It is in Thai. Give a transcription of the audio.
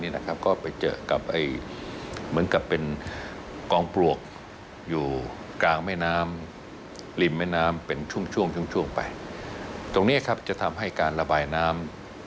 ตรงนี้จะทำให้การระบายน้ำ